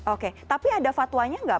oke tapi ada fatwanya nggak